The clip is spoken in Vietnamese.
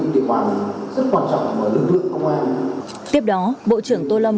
tiếp đó bộ trưởng tô lâm cùng đoàn công tác đã đến với bộ trưởng tô lâm và đại diện tỉnh ủy điện biên